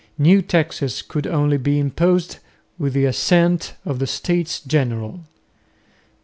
New taxes could only be imposed with the assent of the States General.